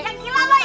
eh denger ya